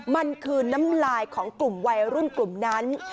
มันคือน้ำลายของกลุ่มวัยรุ่นกลุ่มนั้น